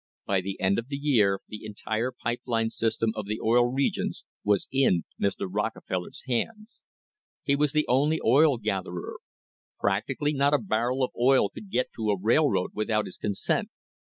By the end of the year the entire pipe line system of the Oil Regions was in Mr. Rockefeller's hands. He was the only oil gatherer. Practically not a barrel of oil could get to a railroad without his consent.